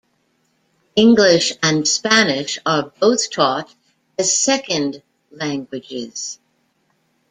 English and Spanish are both taught as second languages.